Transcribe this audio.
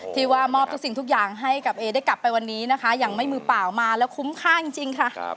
ที่ว่ามอบทุกสิ่งทุกอย่างให้กับเอได้กลับไปวันนี้นะคะอย่างไม่มือเปล่ามาแล้วคุ้มค่าจริงค่ะ